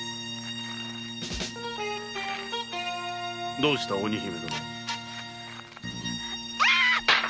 どうした鬼姫殿。